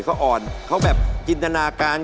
เขาอ่อนเขาแบบจินตนาการ